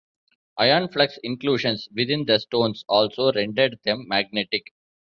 Iron flux inclusions within the stones also rendered them magnetic.